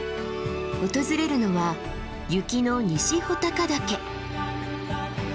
訪れるのは雪の西穂高岳。